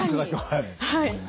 はい。